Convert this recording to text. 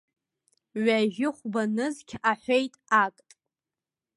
Ҩажәи хәба нызқь аҳәеит акт.